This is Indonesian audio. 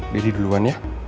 daddy duluan ya